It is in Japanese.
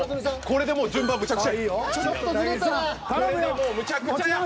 これでもうむちゃくちゃや。